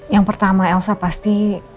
yang pertama elsa pasti